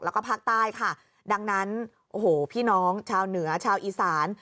แล้วก็ภาคใต้ค่ะดังนั้นโอ้โหพี่น้องชาวเหนือชาวอีสาน